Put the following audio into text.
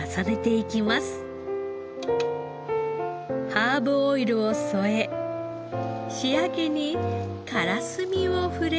ハーブオイルを添え仕上げにカラスミを振れば。